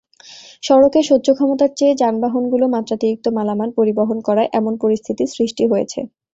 সড়কের সহ্য-ক্ষমতার চেয়ে যানবাহনগুলো মাত্রাতিরিক্ত মালামাল পরিবহন করায় এমন পরিস্থিতির সৃষ্টি হয়েছে।